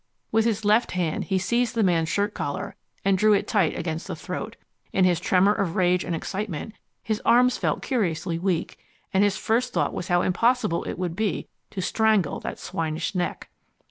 With his left hand he seized the man's shirt collar and drew it tight against the throat. In his tremor of rage and excitement his arms felt curiously weak, and his first thought was how impossible it would be to strangle that swinish neck.